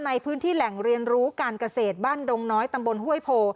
ในพื้นที่แหล่งเรียนรู้การเกษตรบ้านดงน้อยตำบลห้วยโพ